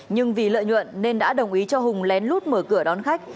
nhưng vì lợi nhuận nên đã đồng ý cho hùng lén lút mở cửa đón khách